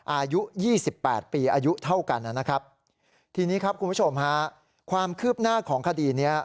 อายุยี่สิบแปดปีอายุเท่ากันนะครับทีนี้ครับคุณผู้ชมฮะความคืบหน้าของคดีเนี้ย